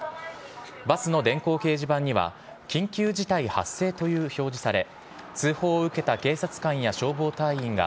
バスの電光掲示板には緊急事態発生と表示され通報を受けた警察官や消防隊員が